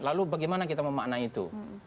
lalu bagaimana kita memaknai itu